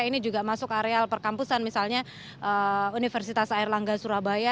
ini juga masuk areal perkampusan misalnya universitas airlangga surabaya